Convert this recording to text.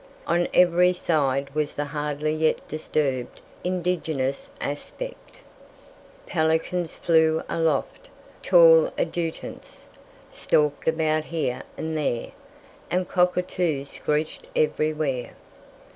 On every side was the hardly yet disturbed indigenous aspect. Pelicans flew aloft, tall "adjutants" stalked about here and there, and cockatoos screeched everywhere.